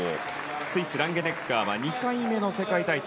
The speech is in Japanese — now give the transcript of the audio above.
スイス、ランゲネッガーは２回目の世界体操。